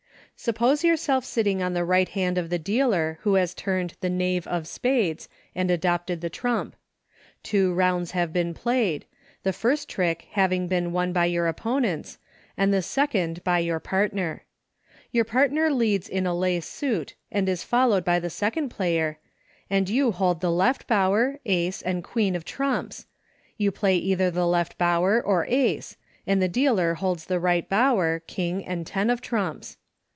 Sup pose yourself sitting on the right hand of the dealer who has turned the Knave of spades, and adopted the trump. Two rounds have HINTS TO TYROS. 123 been played — the first trick having been won by your opponents, and the second by your partner. Your partner leads in a lay suit and is followed by the second player, and you hold the Left Bower, Ace, and Queen of trumps, you play either the Left Bower, or Ace, and the dealer holds the Eight Bower, King, and ten of trumps.